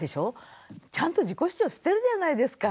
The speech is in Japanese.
ちゃんと自己主張してるじゃないですか。